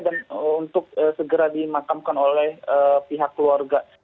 dan untuk segera dimakamkan oleh pihak keluarga